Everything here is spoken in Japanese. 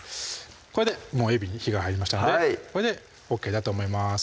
これでもうえびに火が入りましたのでこれでＯＫだと思います